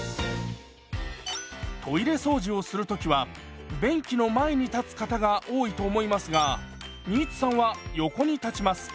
トイレ掃除をする時は便器の前に立つ方が多いと思いますが新津さんは横に立ちます。